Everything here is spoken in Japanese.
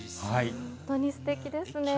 本当にすてきですね。